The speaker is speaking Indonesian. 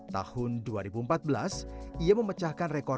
tahun dua ribu empat belas ia memecahkan rekor